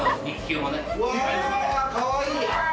かわいい。